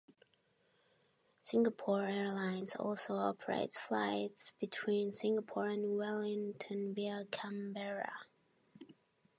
Singapore Airlines also operates flights between Singapore and Wellington via Canberra.